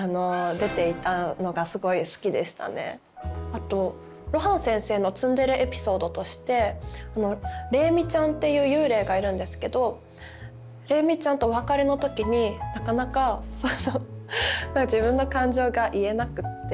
あと露伴先生のツンデレエピソードとして鈴美ちゃんっていう幽霊がいるんですけど鈴美ちゃんとお別れの時になかなか自分の感情が言えなくって。